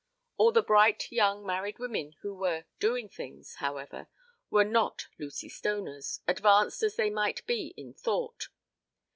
All the bright young married women who were "doing things," however, were not Lucy Stoners, advanced as they might be in thought.